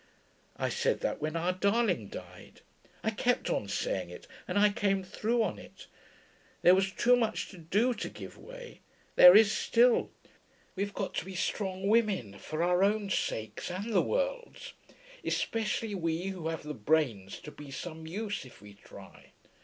I said that when our darling died; I kept on saying it, and I came through on it. There was too much to do to give way. There is still. We've got to be strong women, for our own sakes and the world's especially we who have the brains to be some use if we try.